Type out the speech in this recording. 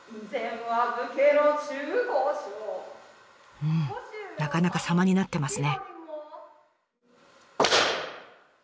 うんなかなかさまになってますね。